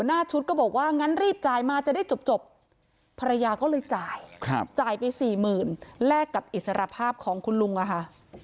หน้าชุดก็บอกว่างั้นรีบจ่ายมาจะได้จบภรรยาก็เลยจ่ายจ่ายไปสี่หมื่นแลกกับอิสรภาพของคุณลุงอะค่ะ